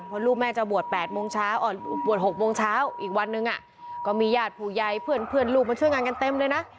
เพราะลูกแม่จะบวช๘โมงเช้าบวช๖โมงเช้าอีกวันนึงก็มีญาติผู้ใหญ่เพื่อนลูกมาช่วยงานกันเต็มเลยนะ